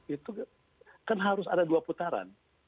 itu kan harus ada dua putaran